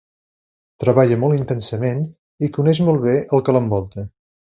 Treballa molt intensament i coneix molt bé el que l'envolta.